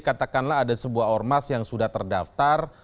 katakanlah ada sebuah ormas yang sudah terdaftar